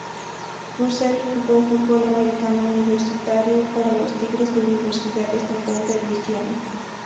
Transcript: Russell jugó fútbol americano universitario para los Tigres de Universidad Estatal de Luisiana.